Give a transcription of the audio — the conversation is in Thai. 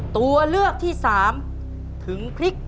ตัวเลือกที่๓ถึงพลิกหน้า